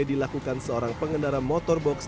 dilakukan seorang pengendara motorboks